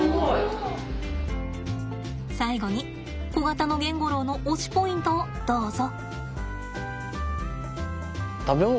最後にコガタノゲンゴロウの推しポイントをどうぞ！